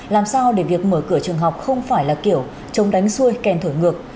làm sao để việc mở cửa trường học không phải là kiểu trông đánh xuôi kèn thổi ngược